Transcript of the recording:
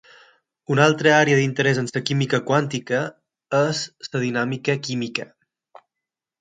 Una altra àrea d'interès en la química quàntica és la dinàmica química.